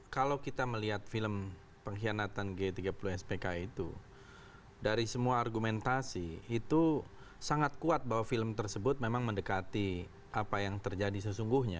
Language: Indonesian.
kalau kita melihat film pengkhianatan g tiga puluh spk itu dari semua argumentasi itu sangat kuat bahwa film tersebut memang mendekati apa yang terjadi sesungguhnya